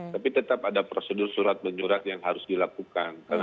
tapi tetap ada prosedur surat menyurat yang harus dilakukan